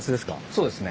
そうですね。